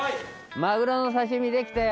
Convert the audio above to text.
マグロの刺身できたよ！